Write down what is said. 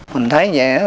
mình thấy vậy đó